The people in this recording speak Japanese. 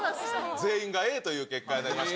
全員がＡという結果になりました。